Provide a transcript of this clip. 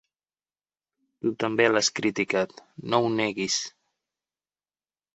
Tu també l'has criticat, no ho neguis.